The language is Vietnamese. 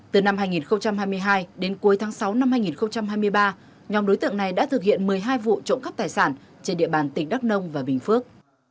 từ năm hai nghìn hai mươi hai đến cuối tháng sáu năm hai nghìn hai mươi ba nhóm đối tượng này đã thực hiện một mươi hai vụ trộm cắp tài sản trên địa bàn tỉnh đắk nông và bình phước